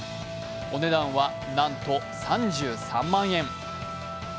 お値段は、なんと３３万円。